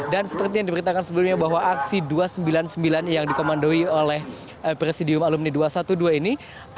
dan seperti yang diberitakan sebelumnya bahwa aksi dua ratus sembilan puluh sembilan yang dikomandoi oleh presidium alumni dua ratus dua belas ini